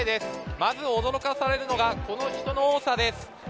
まず驚かされるのが、この人の多さです。